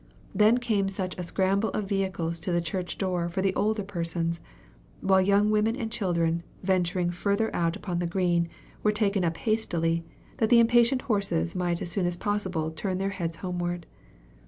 Then came such a scramble of vehicles to the church door for the older persons; while young women and children, venturing further out upon the green, were taken up hastily, that the impatient horses might as soon as possible turn their heads homeward.